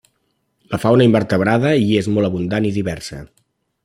La fauna invertebrada hi és molt abundant i diversa.